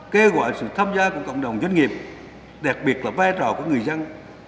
kêu gọi sự tham gia của cộng đồng doanh nghiệp đặc biệt là vai trò của người dân